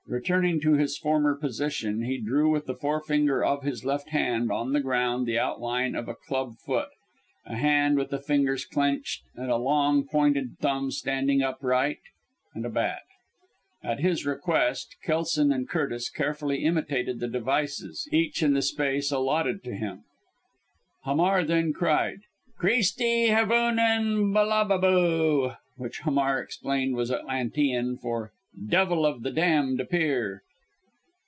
Returning to his former position he drew with the forefinger of his left hand, on the ground, the outline of a club foot; a hand with the fingers clenched and a long pointed thumb standing upright; and a bat. At his request Kelson and Curtis carefully imitated the devices, each in the space allotted to him. Hamar then cried: "Creastie havoonen balababoo!"; which Hamar explained was Atlantean for "devil of the damned appear!"